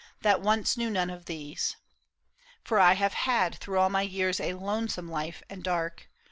That once knew none of these. For I have had Through all my years a lonesome life and dark.